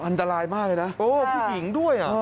อันตรายมากเลยนะโอ้ผู้หญิงด้วย